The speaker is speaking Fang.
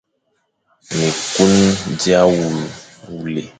Mé kun dia wule,